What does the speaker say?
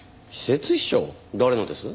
誰のです？